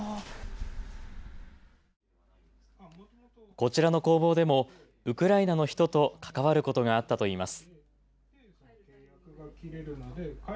こちらの工房でもウクライナの人と関わることがあったといいます。